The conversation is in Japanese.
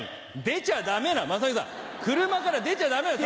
出ちゃダメなの雅紀さん車から出ちゃダメよ。